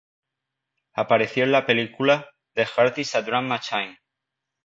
Apareció en la película "The Heart is a Drum Machine".